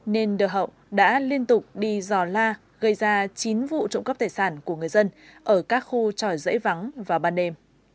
nên đưa hậu đã liên tục đi dò la gây ra chín vụ trộm cắp tài sản của người dân ở các khu tròi dãy vắng và bàn đề